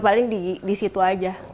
paling disitu aja